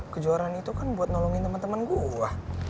kejuaraan itu kan buat nolongin temen temen gue